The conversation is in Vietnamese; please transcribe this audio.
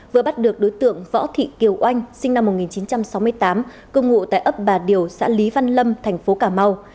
vừa bắt được đối tượng võ thị kiều oanh sinh năm một nghìn chín trăm sáu mươi tám công ngụ tại ấp bà điều xã lý văn lâm thành phố cà mau